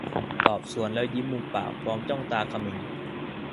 ตอบสวนแล้วยิ้มมุมปากพร้อมจ้องตาเขม็ง